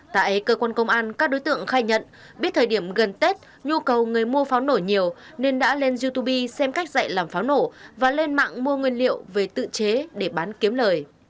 tại cơ quan công an các đối tượng khai nhận biết thời điểm gần tết nhu cầu người mua pháo nổ nhiều nên đã lên youtube xem cách dạy làm pháo nổ và lên mạng mua nguyên liệu về tự chế để bán kiếm lời